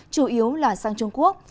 chủ yếu là sang trung quốc